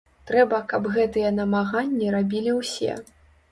Трэба, каб гэтыя намаганні рабілі ўсе.